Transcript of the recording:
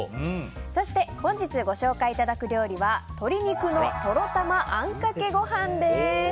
そして本日ご紹介いただく料理は鶏肉のとろたまあんかけご飯です。